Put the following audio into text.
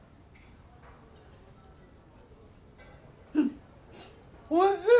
うんおいしい！